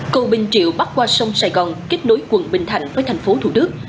cầu bình triệu bắc qua sông sài gòn kết nối quận bình thạnh với tp thủ đức